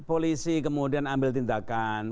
polisi kemudian ambil tindakan